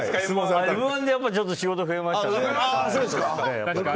「Ｍ‐１」でちょっと仕事増えましたね。